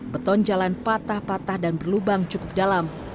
beton jalan patah patah dan berlubang cukup dalam